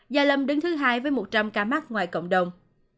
gia lâm đứng thứ hai với một trăm linh ca mắc ngoài cộng đồng